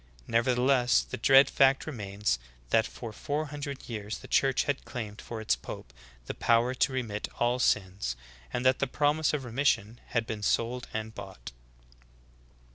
Nevertheless, the dread fact remains that for four hundred years the Church had claimed for its pope the povver to re mit all sins, and that the promise of remission had been sold and bought."